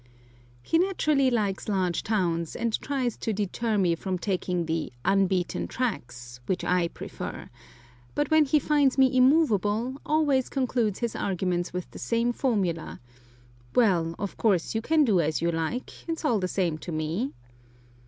He naturally likes large towns, and tries to deter me from taking the "unbeaten tracks," which I prefer—but when he finds me immovable, always concludes his arguments with the same formula, "Well, of course you can do as you like; it's all the same to me."